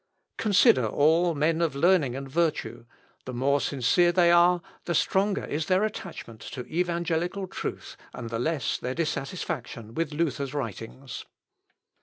Consider all men of learning and virtue the more sincere they are, the stronger is their attachment to evangelical truth, and the less their dissatisfaction with Luther's writings.